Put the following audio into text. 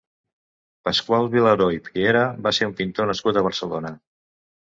Pasqual Vilaró i Piera va ser un pintor nascut a Barcelona.